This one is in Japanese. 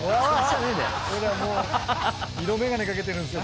色眼鏡掛けてるんですよ。